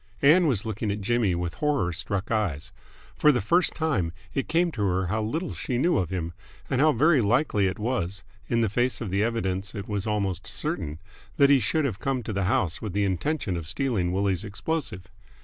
Ann was looking at Jimmy with horror struck eyes. For the first time it came to her how little she knew of him and how very likely it was in the face of the evidence it was almost certain that he should have come to the house with the intention of stealing Willie's explosive.